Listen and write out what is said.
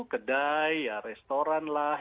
kedai restoran lah